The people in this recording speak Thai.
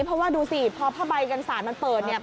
เพราะว่าดูสิพอผ้าใบกันสาดมันเปิดเนี่ย